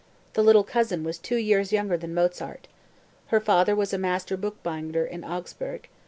The "little cousin" was two years younger than Mozart. Her father was a master bookbinder in Augsburg.